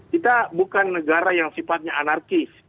kita bukan negara yang sifatnya anarkis